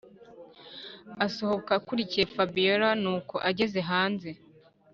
asohoka akurikiye fabiora nuko ageze haze